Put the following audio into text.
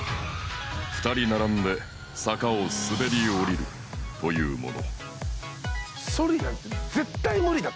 ２人並んで坂を滑り降りるというもの